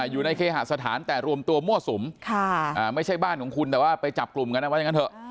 อยู่ในเคหสถานแต่รวมตัวมั่วสุมไม่ใช่บ้านของคุณแต่ว่าไปจับกลุ่มกันเอาไว้อย่างนั้นเถอะ